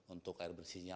untuk air bersihnya